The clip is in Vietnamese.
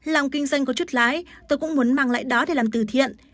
lòng kinh doanh có chút lái tôi cũng muốn mang lại đó để làm từ thiện